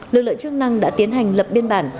lực lượng chức năng đã tiến hành lập biên bản